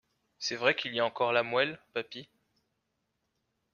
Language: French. C’est vrai qu’il a encore la moelle, papy.